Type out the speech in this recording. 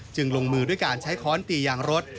ลงมือด้วยการใช้ค้อนตียางรถ